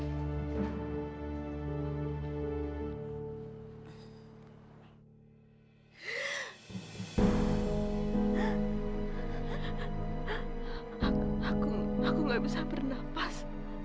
aku aku aku gak bisa bernafas